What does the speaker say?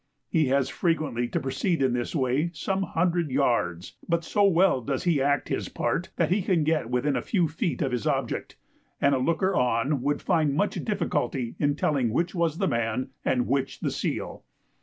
He has frequently to proceed in this way some hundred yards, but so well does he act his part that he can get within a few feet of his object, and a looker on would find much difficulty in telling which was the man and which the seal.